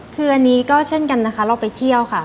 คืออันนี้ก็เช่นกันนะคะเราไปเที่ยวค่ะ